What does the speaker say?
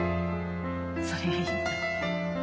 それがいいのよ。